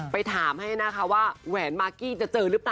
ไปถามให้นะคะว่าแหวนมากกี้จะเจอหรือเปล่า